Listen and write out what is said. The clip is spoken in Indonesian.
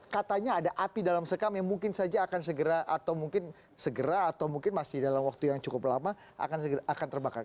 katanya ada api dalam sekam yang mungkin saja akan segera atau mungkin segera atau mungkin masih dalam waktu yang cukup lama akan terbakar